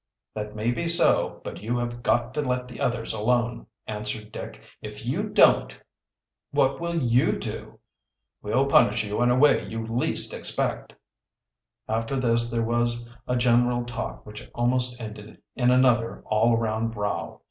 "That may be so, but you have got to let the others alone," answered Dick. "If you don't " "What will you do?" "We'll punish you in a way you least expect." After this there was a general talk which almost ended in another all around row.